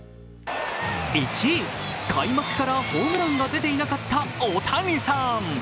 １位、開幕からホームランが出ていなかったオオタニサーン。